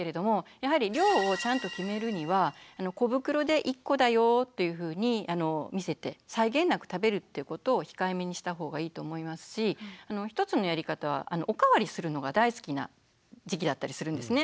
やはり量をちゃんと決めるには小袋で１個だよっていうふうに見せて際限なく食べるっていうことを控えめにした方がいいと思いますし一つのやり方はおかわりするのが大好きな時期だったりするんですね。